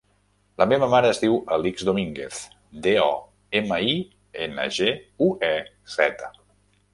La meva mare es diu Alix Dominguez: de, o, ema, i, ena, ge, u, e, zeta.